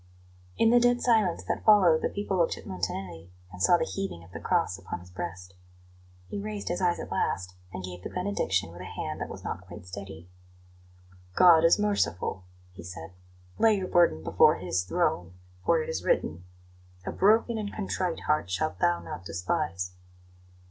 In the dead silence that followed the people looked at Montanelli, and saw the heaving of the cross upon his breast. He raised his eyes at last, and gave the benediction with a hand that was not quite steady. "God is merciful," he said. "Lay your burden before His throne; for it is written: 'A broken and contrite heart shalt thou not despise.'"